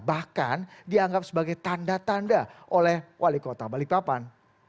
bahkan dianggap sebagai tanda tanda oleh wali kota balikpapan